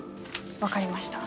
分かりました。